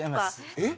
えっ⁉